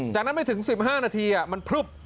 จากนั้นไม่ถึง๑๕นาทีมันพลึบ